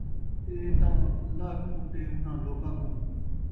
ایہ تاں اللہ کوں تے اُنھاں لوکاں کُوں